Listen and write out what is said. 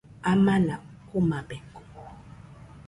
Amana omabeko.